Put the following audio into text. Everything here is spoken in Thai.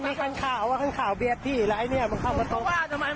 มีขันข้าวว่าขันขาวเบียดพี่อีกแล้ว